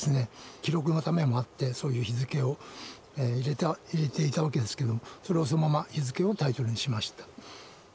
記録のためもあってそういう日付を入れていたわけですけどそれをそのまま日付をタイトルにしました。